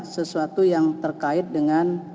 sesuatu yang terkait dengan